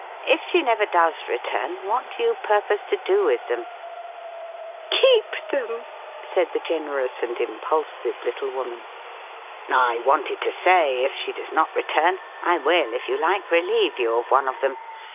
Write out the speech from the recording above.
If she never does return, what do you purpose to do with them?" "Keep them!" said the generous and impulsive little woman. "I wanted to say, if she does not return, I will, if you like, relieve you of one of them.